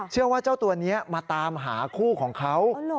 เชื่อว่าเจ้าตัวนี้มาตามหาคู่ของเขา